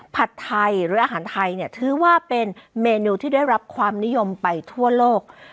ผัดไทยหรืออาหารไทยเนี่ยถือว่าเป็นเมนูที่ได้รับความนิยมไปทั่วโลก